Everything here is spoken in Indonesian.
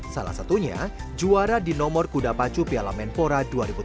salah satunya juara di nomor kuda pacu piala menpora dua ribu tujuh belas